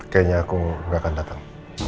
kayaknya aku gak akan datang